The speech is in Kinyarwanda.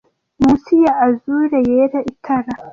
munsi ya azure yera itara